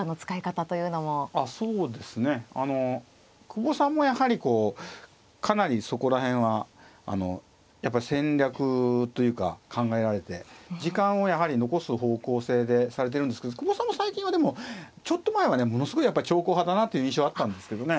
久保さんもやはりこうかなりそこら辺はやっぱり戦略というか考えられて時間をやはり残す方向性でされてるんですけど久保さんも最近はでもちょっと前まではものすごいやっぱり長考派だなという印象あったんですけどね。